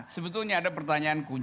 sebetulnya ada pertanyaan kuncinya